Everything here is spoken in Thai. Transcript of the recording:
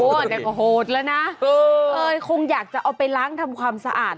โหจะโหดแล้วนะโอ้โหคงอยากจะเอาไปล้างทำความสะอาด